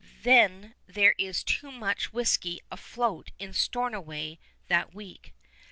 Then there is too much whisky afloat in Stornoway that week.